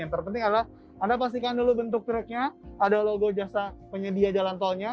yang terpenting adalah anda pastikan dulu bentuk truknya ada logo jasa penyedia jalan tolnya